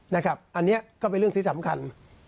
นะครับอันนี้ก็เป็นเรื่องที่สำคัญ